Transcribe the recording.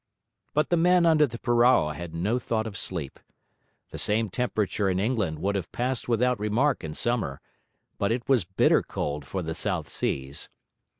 But the men under the purao had no thought of sleep. The same temperature in England would have passed without remark in summer; but it was bitter cold for the South Seas.